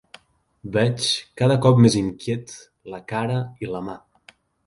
Veig, cada cop més inquiet, la cara i la mà.